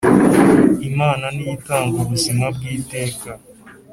Imana ni yo itanga ubuzima bw’ iteka.